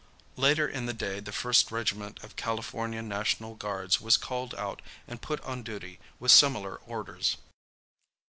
Later in the day the First Regiment of California National Guards was called out and put on duty, with similar orders.